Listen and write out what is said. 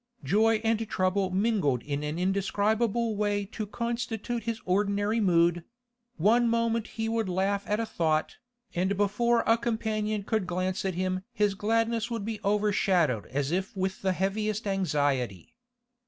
Joy and trouble mingled in an indescribable way to constitute his ordinary mood; one moment he would laugh at a thought, and before a companion could glance at him his gladness would be overshadowed as if with the heaviest anxiety.